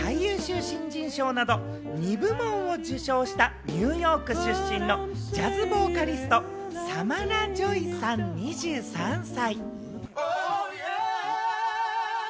今年２月のグラミー賞で最優秀新人賞など２部門を受賞したニューヨーク出身のジャズボーカリスト、サマラ・ジョイさん、２３歳。